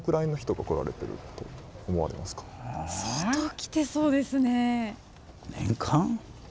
相当来てそうですね。